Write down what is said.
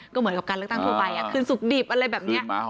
ก็เหมือนกับการเลือกตั้งทั่วไปคืนสุขดิบอะไรแบบนี้